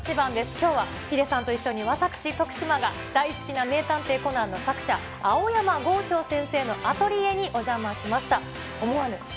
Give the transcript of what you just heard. きょうはヒデさんと一緒に私、徳島が、大好きな名探偵コナンの作者、青山剛昌先生のアトリエにお邪魔しました。